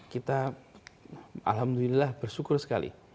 kita alhamdulillah bersyukur sekali